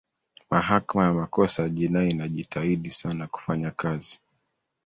mahakama ya makosa ya jinai inajitahidi sana kufanya kazi